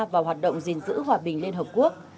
và hoạt động gìn giữ hòa bình liên hợp quốc